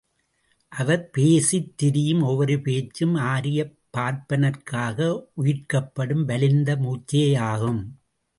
அவர் பேசித் திரியும் ஒவ்வொரு பேச்சும் ஆரியப் பார்ப்பனர்க்காக உயிர்க்கப்படும் வலிந்த மூச்சே யாகும்.